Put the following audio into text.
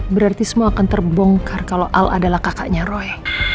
berarti semua akan terbongkar kalau al adalah kakaknya roy